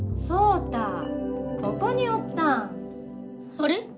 あれ？